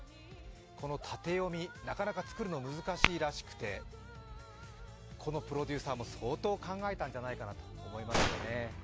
この縦読み、なかなか作るのが難しいらしくてこのプロデューサーも相当考えたんじゃないかなと思いますよね。